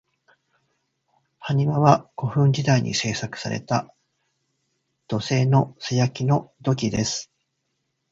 埴輪は、古墳時代に製作された土製の素焼きの土器です。